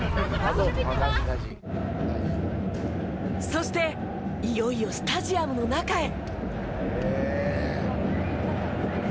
そしていよいよスタジアムの中へ。